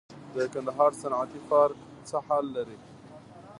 د کندهار صنعتي پارک څه حال لري؟